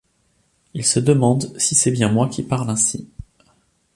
Ils se demandent si c’est bien moi qui parle ainsi.